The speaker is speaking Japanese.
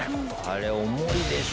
あれ重いでしょ。